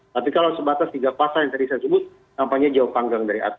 tapi kalau sebatas tiga pasal yang tadi saya sebut namanya jauh panggang dari atas